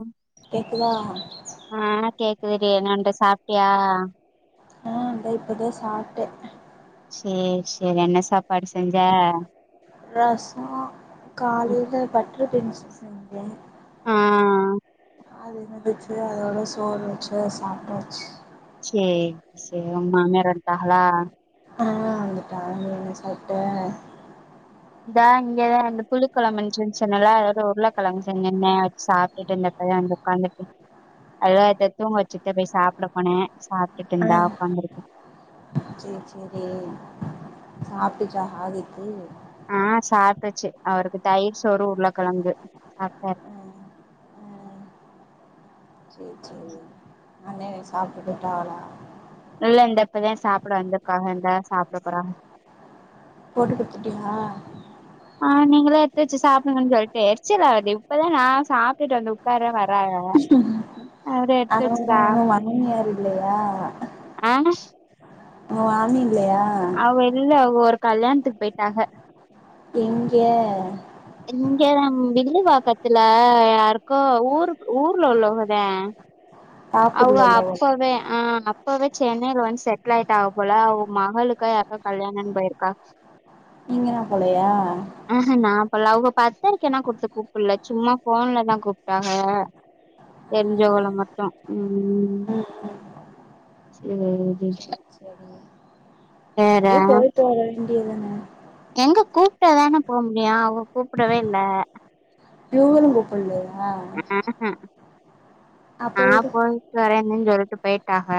அம் கேக்குதா ஆ கேக்குது டி என்னான்டு சாப்ட்டியா ஆ தா இப்போ தா சாப்டே சேரி சேரி என்ன சாப்பாடு செஞ்ச ரசோ காலேல பட்டர் பீன்ஸ் செஞ்சே ஆ அது இருந்துச்சு அதோட சோறு வச்ச சாப்டாச்சு சேரி சேரி ஒ மாமியார் வந்ட்டார்களா ஆ வந்துட்டாக நீ என்ன சாப்ட இந்தா இங்கே இந்த புளிகொழம்பு இருந்துச்சின்னல்லா எதோ உருளகெழங்கு செஞ்சேனே வச்சு சாப்ட்டுட்டு இருந்தே இப்பதா வந்து உக்கார்ந்திருக்கே அதா இத தூங்க வச்சுட்டு போய் சாப்ட போனே சா கிட்டு ஆ இந்தா உக்காந்து இருக்கே சேரி சேரி சாப்டுச்சா ஆதிக்கு ஆ சாப்ட்ருச்சு அவருக்கு தயிர் சோறு உருளகெழங்கு சாப்ட்டாரு ம் ம் சேரி சேரி அண்ணே சாப்ட்டு போய்ட்டாகளா இல்ல இந்த இப்பதே சாப்ட வந்திருக்காக இந்த சாப்ட போறாக போட்டு குடுத்துட்டீயா ஆ நீங்களே எடுத்து வச்சு சாப்டுங்கனு சொல்ட்டே எரிச்சலா வருது இப்பதா நா சாப்ட்டுட்டு வந்து உ உக்கார வராக அவரு எடுத்து ஆனா வச்சு உங்க சாப்டுனு மாமியார் இல்லையா ஆன ஷ் ஓ ஆமி இல்லையா அவ இல்ல அவ ஒரு கல்யாணத்துக்கு போயிட்டாக எங்கே இங்கத வில்லிவாக்கத்துல யாருக்கோ ஊரு ஊர்ல உள்ளவுகதே அவுக தாக்கூர்ல உள்ளவ அப்பவே ஆ இப்பவே சென்னையில வந்து செட்டில் ஐயிட்டா ஆக போல அவுக மகளுக்க யாருக்கே கல்யாணனு போயிருக்கா நீங்கலா போலையா ஆ க நா போல அவங்க பத்திரிகைல குடுத்து கூப்பிடல சும்மா போன்லதா கூப்பிட்டாங்க தெரிஞ்சவங்கள ம் மட்டு ம் ம் சேரி சேரி சிஸ் அப்டியோ வேற போயிட்டு வர வேண்டியது தானே எங்க கூப்பிடதானே போக முடியு அவங்க கூப்பிடவே இல்ல இவங்களு கூப்பலையா ஆகா அப்ப நா விடு போயிட்டு வரேன்னன்னு சொல்லிட்டு போயிட்டாங்க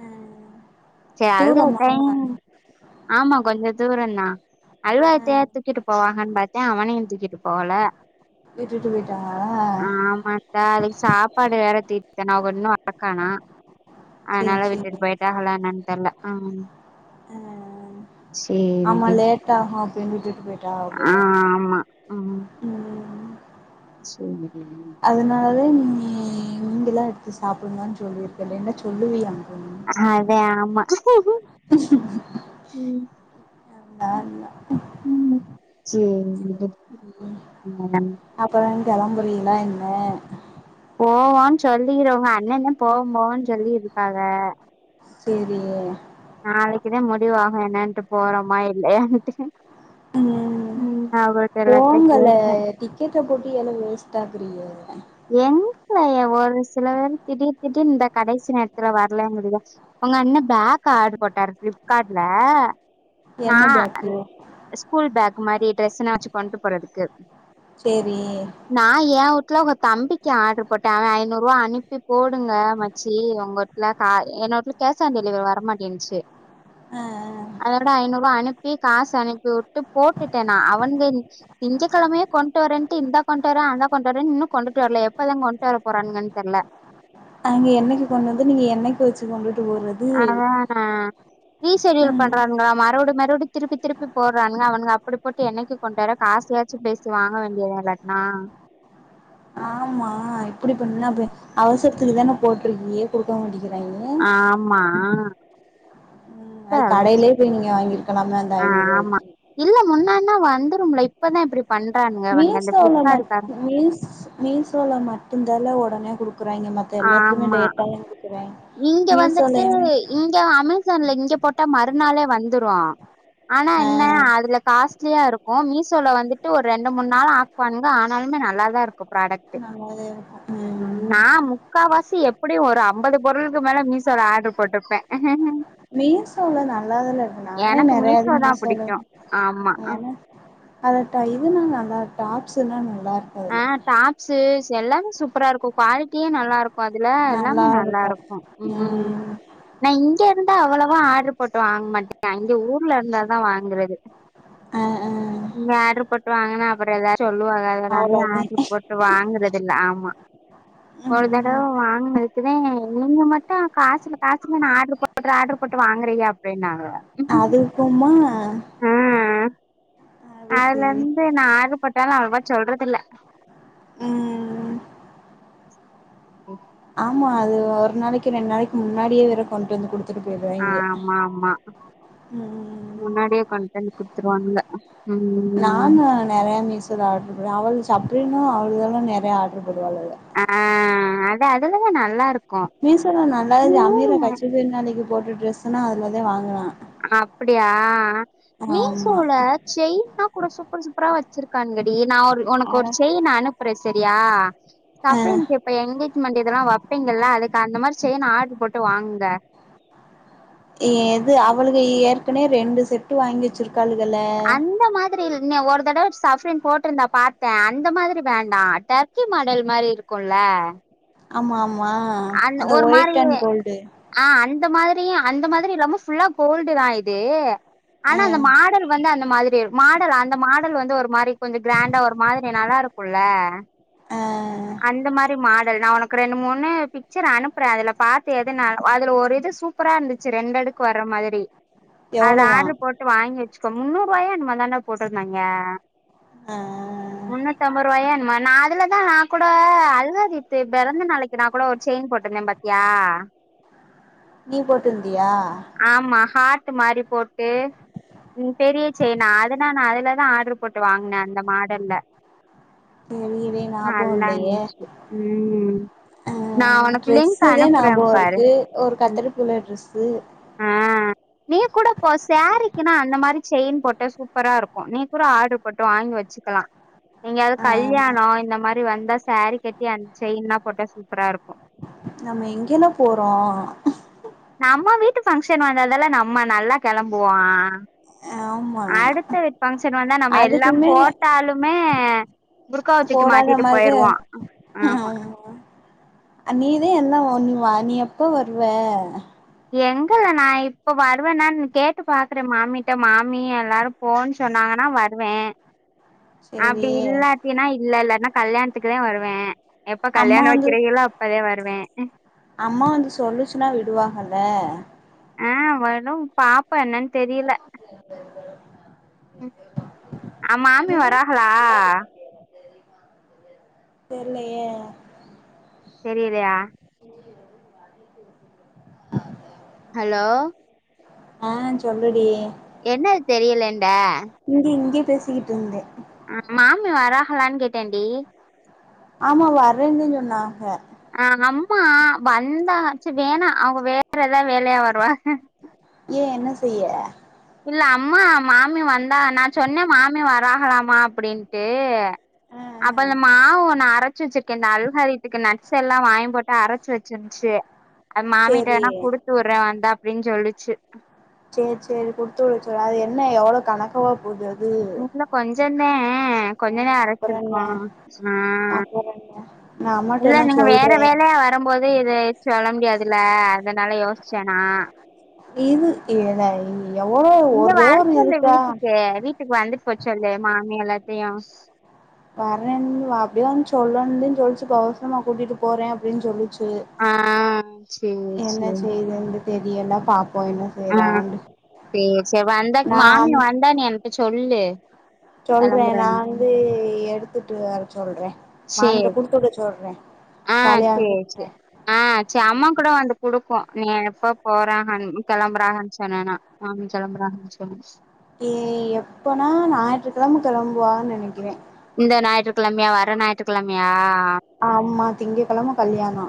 ஆ சேரி தூரமா [unintelligible] ஆமா கொஞ்சோ தூர தா ஆ அல்வாத்தா தூக்கிட்டு போவாங்கன்னு பாத்தே அவனையு தூக்கிட்டு போகல விட்டுட்டு போயிட்டாங்களா ஆமா சாப்ப ப்பாடு வேற தீட்டேன அவங்க இன்னு வாரக்கானா சேரி அதனால சேரி விட்டுட்டு போய வந்ட்டாங்களா என்னானு தெரியல ஆ ஆ ஆமா லேட் ஆகு அப்டின்னு செல்லிட்டு போய் ஆ ஆமா ம் ம் சேரிங்க அதனால நீ இங்கெலா எடுத்து சாப்பிடுங்கனு சொல்லியிருக்கல்ல என்ன சொல்லுவிய ஆ அதே ஆமா ம் [unintelligible] ம் சேரிங்க [unintelligible] அப்புற கிளம்பரிங்களா என்ன போவோம்னு சொல்லிருவங்க அண்ணனே போக போன்னு சொல்லிருக்காங்க சேரி நாளைக்குதா முடிவாகு என்னாட்டு போறோமா இல்லையான்டு ம் அவர் எல்லாத்தையு போங்கல கேட்டே டிக்கெட்ட போட்ட ஏலே வேஸ்ட் ஆக்கிறீக எங்க ஒரு சில பேர் திடீர் திடீர் இந்த கடைசி நேரத்துல வரலகிதுக உங்க அண்ணன் பேக் ஆர்டு போட்டாரு பிளிப்கார்டுல நா என்ன பேக்கு ஸ்கூல் பேக் மாரி ட்ரெஸ்ன வச்சிகொண்டு போறதுக்கு சேரி நா ஏன் உட்டு்ல உங்க தம்பிக்கு ஆர்டரு போட்டே அவன் ஐநூறு ரூவா அனுப்பி போடுங்க சி உங்க வீட்டு்ல கா என் உட்ல கேஷ் ஆன் டெலிவரி வர மாட்டேன்னுச்சி ஆ ஆ அதோட ஐனூருரூப் அனுப் இப்பியு காசு அனுப்பி வுட்டு போட்டுட்டே நா அவனுங்க திங்க கிழமே கொண்டு வரேட்டு இந்தந்தா கொண்டுவர அந்தா கொண்டுவரே இன்னு கொண்டுட்டு வரல எப்பதா கொண்டுட்டு வர போறானங்கன்னு தெரியல கொன் அவங்க என்னைக்கு கொண்டு வந்து நீங்க என்னைக்கு வச்சி கொண்டுட்டு போறது அதா நா ரீஷெடியூல் ம் பண்றாங்களா மறுபடி மறுபடி திருப்பி திருப்பி போடுறானுங்க அவனுங்க அப்டி போட்டு என்னைக்கு கொ கொண்டு வரா காசியாச்சி பேசி வாங்க வேண்டி இல்லாடனா ஆமா இப்படி பண்னா அவசரத்துக்கு தானே போட்டிருக்கி குடுக்க மாட்டக்கிறேங்க ஆமா ஆ அது கடையிலயே போய் நீங்க வாங்கிருக்கலா அந்த ஐநூறு ஆமா ரூபாய்க்கி இல்ல முன்னான்னா வந்துரும்ல இப்பதா இப்டி பண்றான் மீசோலா மட் மீஸ் மீசோல மட்டும்தாலே ஒடனே குடுக்குறாங்க மத்த எல்லாத்துலயுமே ஆமா லேட்டாதா கு இங்க வந்துட்டு இங்க அமேசான்ல இங்க போட்டா மறுநாளே வந்துரு ஆனா என்ன ஆ அதுல காஸ்லியா இருக்கு மீசோல வந்துட்டு ஒரு ரெண்டு மூணு நாள் ஆ வந்து ஆனாலுமே நல்லா தா இருக்கு ப்ராடக்ட்டு அதாவது நா முக்கா வாசி எப்டியு ஒரு ஐம்பது பே பொருளுக்கு மேல மீசோல ஆடர்ரு போட்டிருப்பே மீசோல நல்லாதனே இருக்கு நானே நெறையது மீஷோ தா மீசேல புடிக்கு ஆமா ஏன்னா அத இதுன்னா நல்லா டாப்ஸ்சல்லா நல்லா இருக் அதுல டாப்ஸ்சு எல்லாமே சூப்பரா இருக்கு குவாலிட்டியே நல்லா இருக்கு அதுல எல்லாமே நல்லா இருக்கு ம் நா இங்க இருந்தா அவ்வளவா ஆர்டரு போட்டு வாங்க மாட்டே அங்க ஊர்ல இருந்தாதா வாங்குறது ஆ ஆ இங்க ஆட்ரு போட்டு வாங்கன்னா அப்புறோ ஏதா சொல்லுவாங்க அதனால அவ்ளோதே ஆட்ரு போட் வாங்குறத இல்ல ஆமா ஒரு தடவ ம் வாங்கினதுக்குதே நீங்க மட் கா காசுல காசுலனு ஆர்டரு போட்டு ஆர்டரு போட்டு வாங்குறியா அப்படின்னாங்க போமா ஆ அதுல சேரி இருந்து நா ஆடர்ப்பேட்டாலு அவ்வளவா சொல்றது இல்ல ம் ஓ ஆமா அது ஒரு நாளைக்கு ரெண்டு நாளைக்கு முன்னாடியே வேற கொண்டு வந்து கொடுத் ஆமா ஆமா ம் முண்ணாடியே கொண்டுவந்து குடுத்துருவாங்க நானு நெறைய மீசோல ஆடாரு அவள் சப்பரின்னு அவள்களு நேரையா ஆர்டரு பேடுவளுக ஆ அது அதுத நல்லா இருக்கு மீசோல நல்லாருக்கு அமீரை கச்சி பனாளிக்கு போட்ட டிரெஸ்செல்லா அதுலதா வாங்குனா ஆன அப்படியா ஆமா மீசோல செய்னா கூட சூப்பர் சூப்பரா வச்சிருக்கான்கடி நா ஒரு உனக்கு ஒரு ஆனா செய்ன் அனுப்புறே செரியா சப்ரின் எப் இப்ப எங்கேஜ்மெண்ட் இதெல்லா வெப்பீங்கில்ல அதுக்கு அந்த மாரி செயின் ஆர்டர் போட்டு வாங்குங்க எது அவளுக ஏற்கனவே ரெண்டு செட்டு வாங்கி வச்சருக்காளுங்களே [unintelligible] ஒரு தடவ சப்ரின் போட்டிருந்தா பாத்தே அந்த மாதிரி வேண்டா டர் கி மாடல் மாரி இருக்குல்ல ஆமா ஆமா அந்த ஒரு மாரி ஒயிட் அண் கோல்டு ஆ அந்த மாதிரி அந்த மாதிரி ரொம்ப ஃபுள்ளா இல்லாம கோல்டு தா இது ஆனா அந்த மாடல் வந்து அந்த மாதிரி இரு மாடல் அந்த மாடல் வந்து ஒரு மாரி கொஞ்சு கிராண்டா ஒரு மாதிரி நல்லா இருக்குல ஆ அந்த மாரி மாடல் நா உனக்கு ரெண்டு மூணு பிக்சர் அனுப்புறே அதுல பாத்து எது ந அதுல ஒரு இது சூப் சுப்பரா இருந்துச்சு ரெண்டு அடுக்கு வர மாதிரி அத எவ்வளவா ஆர்டரு போட்டு வாங்கி வச்சிக்கோ முந்நூறு ரூவாயோ என்னமோ தாண்டா போட்ருந்தாங்கே ஆ முந்நூத்தி ஐம்பது ரூவாயோ என்னமோ நா அதுலதா நா கூட அல்காதித்து பிறந்த நாளைக்கி நா கூட ஒரு செயின் போட்ருந்தே பாத்தியா நீ போட்டிருந்தியா ஆமா ஹாட் மாரி போட்டு ம் பெரிய செய்னா அதுனா நா அதுலதா ஆடரு போட்டு வாங்குனே அந்த மாடல்ல [unintelligible] வே நல்லாருந்துச்சி ம் ஆ நா உனக்கு லிங்க் ட்ரெஸ்சு தே அனுப்புறே ஞாபகோ பாரு இருக்கு ஒரு ம் கத்திரீ பூ கலர் ட்ரெஸ்சு ஆ நீ கூட போ சேரீக்குனா அந்த மாரி செயின் போட்ட சூப்பரா இருக்கு நீ கூட ஆடரு போட்டு வாங்கி வச்சிக்கலா எங்கயாது ஆ கல்யாணோ இந்த மாரி வந்தா சேரீ கட்டி அந்த செயின்லா போட்டா சூப்பரா இருக்கு நம்ம எங்கேல போறோ நம்ம வீட்டு ஃபங்க்ஷன் வந்தாதால்ல நம்ம நல்லா கெளம்புவோ ஆமா அடுத்த வீட்டு ஃபங்க்ஷன் வந்தா நம்ம எல்லா அதுக்குமே போட்டாலுமே புர்காவ தூக்கி போடாத மாட்டிட்டு மாரிதா போயிருவோ ஆமா நீதே எல்லா வந் வ நீ எப்ப வருவ எங்கல்ல நா இப்ப வருவேனான்னு கேட்டு பாக்குறே மாமிட்ட மாமி எல்லாரு போன்னு சொன்னாங்கன்னா வருவே சேரி அப்டி இல்லாட்டினா இல்ல இல்லாட்னா கல்யாணத்துக்குதா வருவே எப்ப அம்மா கல்யாணோ வந்து வக்கிறீகளோ அப்பதா வருவே அம்மா வந்து சொல்லுச்சின்னா விடுவாங்கல்ல வரும் பாப்போ என்னன் தெரியல [inaudible] ஆ மாமி வர்றாகளா தெர்லயே தெரியலயா ஹலோ ஆ சொல்லுடி என்னது தெரியலண்ட இங்க இங்க பேசிக்கிட்டு இருந்தே ஆ மாமி வர்றாகளான்னு கேட்டே டி ஆமா வர்றேன்தே சொன்னாக ஆ அம்மா வந்தா செரி வேணா அவுக வேற ஏதாது வேலையா வருவாக ஏ என்ன செய்ய இல்ல அம்மா மாமி வந்தாக நா சொன்னே மாமி வர்றாகலாமா அப்டின்ட்டு ஆ அப்ப ஆ அந்த மாவு நா அரைச்சி வச்சிருக் கே இந்த அல்ஹாரித்துக் நட்ஸ் எல்லா வாங்கி போட்டு அரைச்சி வச்சிருந்துச்சி அது மாமிட்ட சேரி வேணா குடுத் து விட்றே வந்தா அப்டின் சொல்லுச்சி சேரி சேரி குடுத்துவிட சொல் அது என்ன எவ்ள கணக்கவா போது அது இல்ல கொஞ்சந்தே ஆ கொஞ்சந்தே அப்புறோ என்ன அரச்சிருக்கோ ஆ நாமோ இல்ல நீங்க வேற வேலயா வரம்போது இத சொல்ல முடியாதுல்ல அதுனால யோசிச்சே நா இது இதுனா இவ்ளவு ஒரே ஒரு இதுக்கா வீட்டுக் வந்துட் போச்சா இல்லையா மாமி எல்லாத்தியு வர்றேன் அப்டிதா சொல்லனுன்தா சொல்ச்சு இப்ப அவசரமா கூட்டிட்டு போறே அப்டின் சொல்லுச்சு ஆ சேரி என்ன சேரி செய்துன்டு தெரியல பாப்போ இன்னு ஆ சேர் சேர் வந்தா மாமி நான் வந்தா நீ என்ட்ட சொல்லு சொல்றேன் நா கெளம்புறேன்னு வந்து எடுத்துட்டு வர சொல்றேன் சேரி மாமிட்ட குடுத்துட சொல்றேன் ஆ ஜாலியா சேர் சேர் ஆ ச அம்மா கூட வந்து குடுக்கு நீ எப்ப போறாங்கன் கெளம்புறாங்கன் சொன்னனா மாமி கெளம்புறாங்கன் சொல்லி ஏ எப்பனா ஞாய்ற்றுக்கிழம கெளம்புவாக நெனைக்கிறே இந்த ஞாய்ற்றுக்கிழம்யா வர ஞாய்ற்றுக்கிழம்யா ஆமா திங்ககெழம கல்யாணோ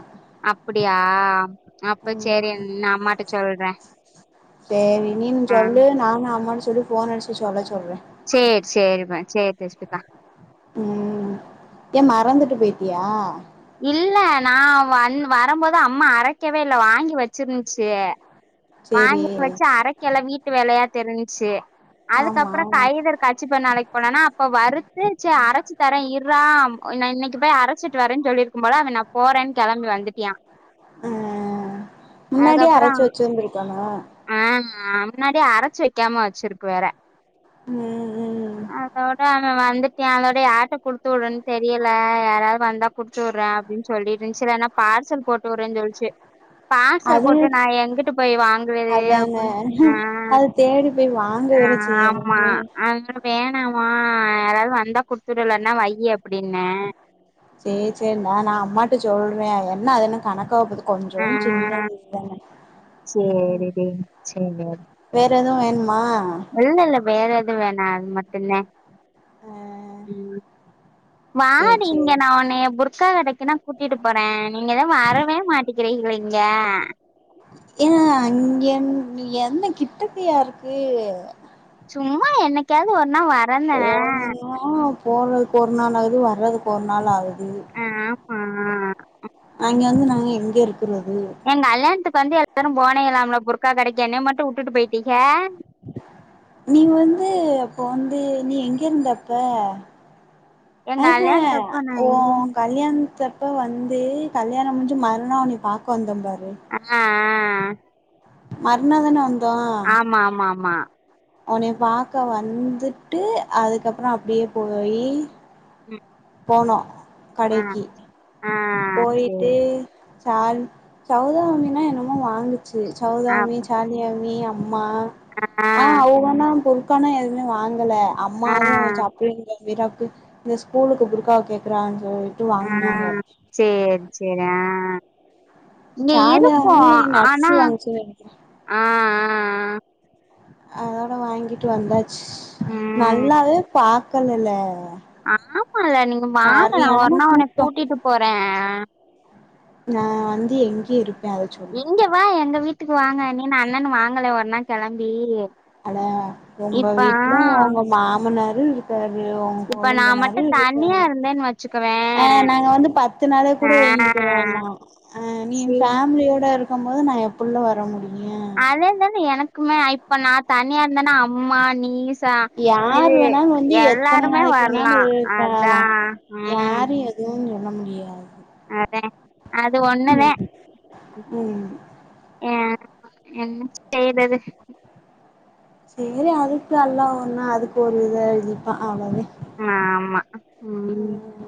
அப்புடியா அப்ப சேரி நான் அம்மாட்ட சொல்ற சேரி நீன்னு சொல்லு நானு அம்மாட்ட சொல்லி ஃபோன் அடிச்ட்டு சொல்ல சொல்ற சேர் சேரி மா சேர் ரேஷ்மித்தா ம் ஏன் மறந்துட்டு போய்ட்டியா இல்ல நான் வந் வரம்போது அம்மா அரைக்கவே இல்ல வாங்கி வச்சிர்ந்ச்சு சரி வாங்கி வச்சு அரைக்கல வீட்டு வேலையா தெரிஞ்சிச்சு அதுக்கப்புறோ ஆமா கைல இரு கர்ச்சிப்ப நளைக் போனானா அப்ப வறுத்துருச்சு அரச்சி தர இர்றா இன்ன இன்னைக்கு போய் அரச்சிட்டு வரேன் சொல்லிரு க்கும் போல அவன் நான் போறேன் கெளம்பி வந்துட்யான் முன்னாடியே அரச்சு வச்சுருந்திருக்கணு ஆமா முன்னாடியே அரச்சு வைக்காம வச்சிருக்கு வேற ம் ம் ம் அதோட அவன் வந்துட்யான் அதோட யாரட்ட குடுத்து உடன் தெரியல யாராது வந்தா குடுத்துவுற அப்டின் சொல்லிருந்ச்சு இல்லனா பார்சல் போட்டுவுட்ரேன் சொல்ச்சு பார்சல் அது போட்டு நான் எங்குட் போய் வாங்குறது அதானே அப்டின் ஆ அது தேடி போய் வாங்க வேற ஆமா செய்யணுமே அதுலா வேணாமா யாராது வந்தா குடுத்துடு இல்லனா வையி அப்புடின்ன சேர் சேர் மா நான் அம்மாட்ட சொல்றே என்ன அதென்ன கணக்கவா போது ஆ கொஞ்சோன் சின்ன இதுதான ம் சேரிடி சேரி வேற எதுவு வேண்மா இல்ல இல்ல வேற எது வேணா அது மட்டுந்தா ஆ ம் சேரி வாடி இங்க சேரி நான் ஒன்னய ஒரு ஸா கடைக்குனா கூட்டிட்டு போற நீங்கதா வரவே மாட்டிக்கிறீங்ளே இங்க ஏ இங்கென் நீ என்ன கிட்டக்கியா இருக்கு சும்மா என்னைக்காது ஒருநா வரன்ன ஆ போறதுக்கு ஒரு நாள் ஆகுது வர்றதுக்கு ஒரு நாள் ஆகுது ஆ ஆமா அங்க வந்து நாங்க எங்க இருக்குறது என் கல்யாண்த்துக் வந்து எல்லாரு போனீங்கலாம்ல குர்க்கா கடைக்கு என்னய மட்டு உட்டுட்டு போயிட்டீங்க நீ வந்து அப்போ வந்து நீ எங்க இருந்த அப்ப என் ஆஹ கல்யாணத்தப்ப நா எங்க ஓன் கல்யாண்த்தப் போ வந்து கல்யாணோ முடிஞ்சு மறுநா உன்னிய பாக்க வந்தன் பாரு ஆமா மறுநாதான வந் ஆமா ஆமா ஆமா உன்னைய பாக்க வந்துட்டு அதுக்கப்றோ அப்டியே போய் ம் போனோ ஆ, கடைக்கி ஆ. சரி. போய்ட்டு சால் சவுதா அம்பனா என்னமோ வாங்கு சேரி‌ சௌதாமி அப்ப சாலியாமி அம்மா ஆ அவுங்க தா பொருக்கான எதுவுமே வாங்கல அம்மா ஆ, வச்சு அப்டி விராக்கு இந்த ஸ்கூலுக்கு புருக்காவ கேக்குறான்னு சொல்லிட்டு வாங்குனாங்க சேரி சேரி ஆ இங்க இருக்கு சாலியாவுமே நட்ஸ் ஆனா வாங்குச்சு நெனைக்கிறே ஆ ஆ ஆ அதோட வாங்கிட்டு வந்தாச்சு ம். நல்லாவே பாக்கலல்ல ஆமால்ல நீங்க வாங்க நா ஒரு நாள் உன்ன கூட்டோ கூட்டிட்டு போறே நா வந்து எங்கேயோ இருப் இங்க வா எங்க வீட்டுக்கு வாங்க நீனு அண்ணனு வாங்கலே ஒரு நாள் கெளம்பி ஹலோ உங்க இப்ப ஆ வீட்லு உங்க மாமனாரு இரு க்காரு உங்க இப்ப நான் கொழுந்தனாரு மட்டும் தனியா இருக்காரு இருந்தேன்னு ஆ வச்சுக்கவேன். நாங்க வந்து பத் து நாளே ஆ. கூடே இருந்துக்கிறேன்னா அ நீ உ சி பேம்லியோட இருக் கும்போது நா எப்புள்ள வர முடியு அதாவது வந்து எனக்குமே இப்ப நா தனியாருந்தோனா அம்மா நீயு ச யார் மேரி வேணாலு வந்து எத்தன எல்லாருமே நாளைக்கு வேணாலு வர்லா அதா ம் ஏதுவு சொல்ல முடியாது அதே அது ஒண்ணுதே ம் ஏ என்ன செய்தது சேரி அதுக்கு அல்லா ஒன்னா அதுக்கு ஒரு இதா எழுதிருப்பா அவ்ளோதே ம் ஆமா ம் ம்